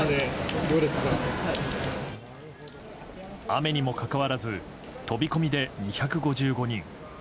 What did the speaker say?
雨にもかかわらず飛び込みで２５５人。